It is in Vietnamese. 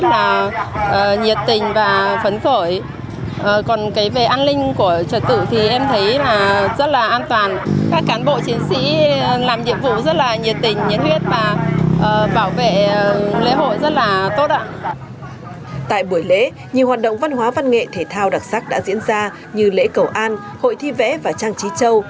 tại buổi lễ nhiều hoạt động văn hóa văn nghệ thể thao đặc sắc đã diễn ra như lễ cầu an hội thi vẽ và trang trí châu